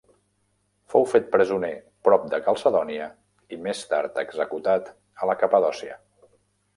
Fou fet presoner prop de Calcedònia i més tard executat a la Capadòcia.